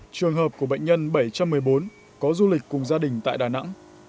trường hợp của bệnh nhân bảy trăm một mươi bốn có du lịch cùng gia đình tại đà nẵng